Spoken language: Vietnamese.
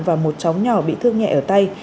và một chóng nhỏ bị thương nhẹ ở tay